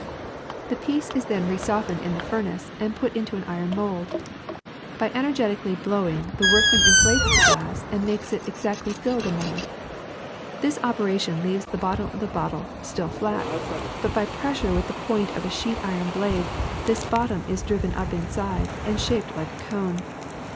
The piece is then resoftened in the fur GLASS 153 nace and put into an iron mold. By energetic blow ing the workman inflates the glass and makes it exactly fill the mold. This operation leaves the bot tom of the bottle still flat, but by pressure with the point of a sheet iron blade this bottom is driven up inside and shaped like a cone.